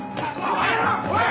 おい！